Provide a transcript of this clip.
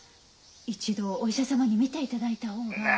一度お医者様に診ていただいた方が。